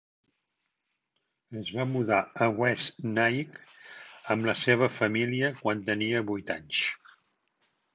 Es va mudar a West Nyack amb la seva família quan tenia vuit anys.